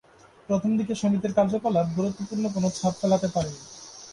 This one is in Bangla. প্রথম দিকে সমিতির কার্যকলাপ গুরুত্বপূর্ণ কোনো ছাপ ফেলতে পারেনি।